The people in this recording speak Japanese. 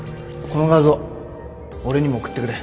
この画像俺にも送ってくれ。